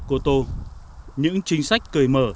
cô tô những chính sách cởi mở